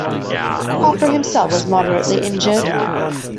Popper himself was moderately injured.